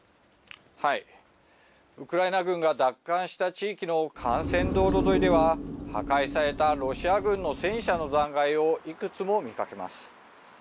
ウクライナ軍が奪還した地域の幹線道路沿いでは、破壊されたロシア軍の戦車の残骸をいくつも見かけます。